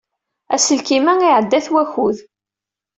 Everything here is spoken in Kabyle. Aselkim-a iɛedda-t wakud.